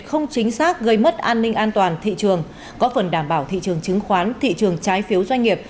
không chính xác gây mất an ninh an toàn thị trường có phần đảm bảo thị trường chứng khoán thị trường trái phiếu doanh nghiệp